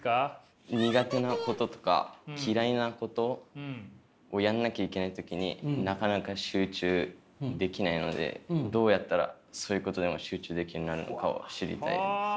苦手なこととか嫌いなことをやんなきゃいけない時になかなか集中できないのでどうやったらそういうことでも集中できるようになるのかを知りたいです。